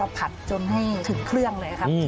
ผัดจนให้ถึงเครื่องเลยครับ